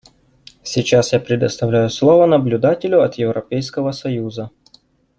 Сейчас я предоставляю слово наблюдателю от Европейского Союза.